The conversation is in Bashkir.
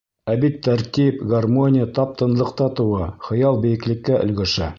Ә бит тәртип, гармония тап тынлыҡта тыуа, хыял бейеклеккә өлгәшә.